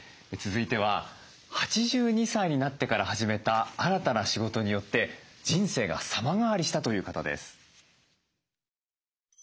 続いては８２歳になってから始めた新たな仕事によって人生が様変わりしたという方です。